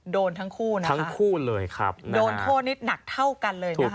โดนทั้งคู่นะครับโดนโทษนิดหนักเท่ากันเลยนะคะ